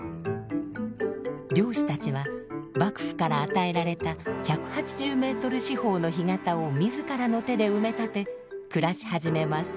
漁師たちは幕府から与えられた１８０ｍ四方の干潟を自らの手で埋め立て暮らし始めます。